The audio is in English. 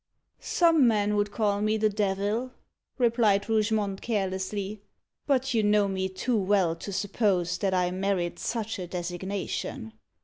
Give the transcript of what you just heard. "Some men would call me the devil!" replied Rougemont carelessly. "But you know me too well to suppose that I merit such a designation.